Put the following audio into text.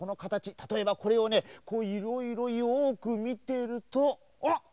たとえばこれをねいろいろよくみてるとあっ！